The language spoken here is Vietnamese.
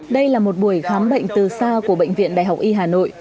đây là một buổi khám bệnh từ xa của bệnh viện đại học y hà nội